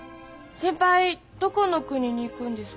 先輩どこの国に行くんですか？